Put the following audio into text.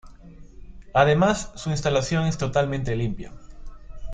Además su instalación es totalmente limpia.